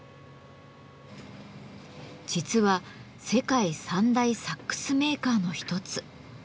実は世界３大サックスメーカーの一つ。